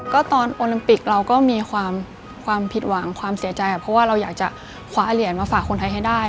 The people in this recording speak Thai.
ก็ตอนโอลิมปิกเราก็มีความผิดหวังความเสียใจเพราะว่าเราอยากจะคว้าเหรียญมาฝากคนไทยให้ได้